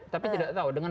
tapi tidak tahu dengan